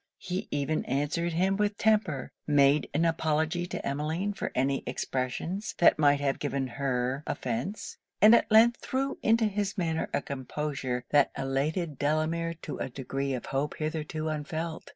He even answered him with temper; made an apology to Emmeline for any expressions that might have given her offence; and at length threw into his manner a composure that elated Delamere to a degree of hope hitherto unfelt.